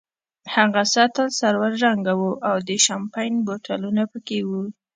هغه سطل سلور رنګه وو او د شیمپین بوتلونه پکې وو.